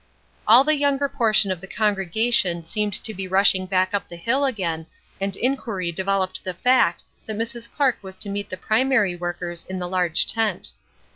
All the younger portion of the congregation seemed to be rushing back up the hill again, and inquiry developed the fact that Mrs. Clark was to meet the primary workers in the large tent.